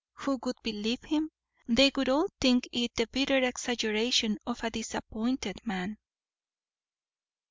Who would believe him? They would all think it the bitter exaggeration of a disappointed man.